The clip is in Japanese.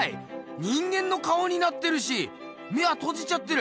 人間の顔になってるし眼はとじちゃってる。